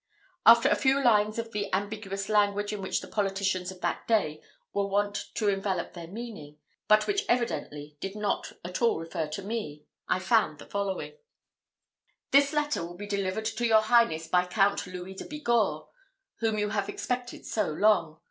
After a few lines of the ambiguous language in which the politicians of that day were wont to envelope their meaning, but which evidently did not at all refer to me, I found the following: "This letter will be delivered to your Highness by Count Louis de Bigorre, whom you have expected so long.